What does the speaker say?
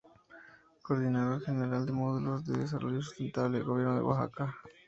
Coordinador General de Módulos de Desarrollo Sustentable, Gobierno de Oaxaca.